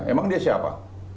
emang dia siapa